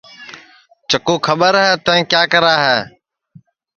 چکُو کھٻر ہے تیں کیا کرا ہے